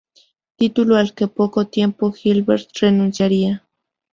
Título al que al poco tiempo Gilbert renunciaría.